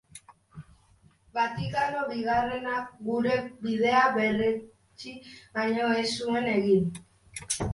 Vatikano Bigarrenak gure bidea berretsi baino ez zuen egin.